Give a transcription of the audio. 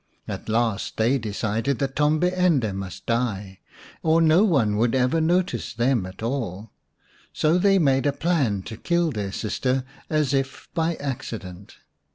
At last they decided that Tombi ende must die, or no one would ever notice them at all. So they made a plan to kill their sister as if by accident.